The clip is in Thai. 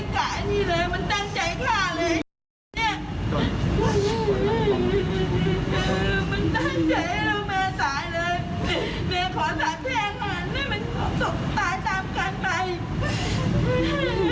สาบแช่งมาได้ไปฝันสุขตายตามกันไป